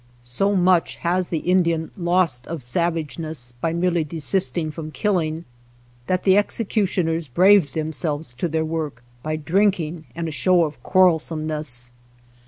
So much has the Indian lost of savage ness by merely desisting from killing, that the executioners braved themselves to their work by drinking and a show of quarrel someness.